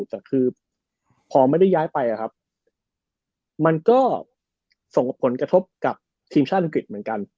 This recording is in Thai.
แต่คือพอไม่ได้ย้ายไปมันก็ส่งผลกระทบกับทีมชาติอังกฤษเหมือนกัน